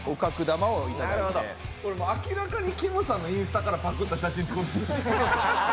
これ明らかにきむさんのインスタからパクった写真。